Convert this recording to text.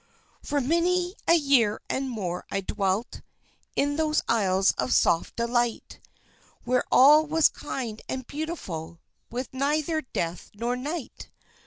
For many a year and more, I dwelt In those Isles of soft delight; Where all was kind and beautiful, With neither death nor night.